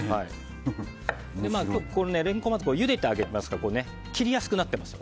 レンコンはまず、ゆでてありますから切りやすくなっています。